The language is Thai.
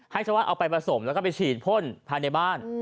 ให้ชาวนเอาไปผสมแล้วก็ไปฉีดพ่นผ่านในบ้าน